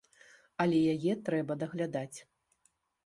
Але яе трэба даглядаць.